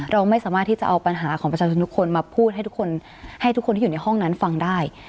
เราไม่สามารถที่จะเอาปัญหาของประชาชนทุกคนมาพูดให้ทุกคนให้ทุกคนที่อยู่ในห้องนั้นฟังได้